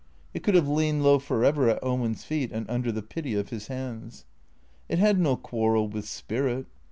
It could have lain low for ever at Owen's feet and under the pity of his hands. It had no quarrel with spirit.